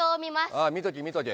ああ見とけ見とけ。